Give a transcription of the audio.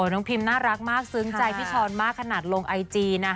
น้องพิมน่ารักมากซึ้งใจพี่ชอนมากขนาดลงไอจี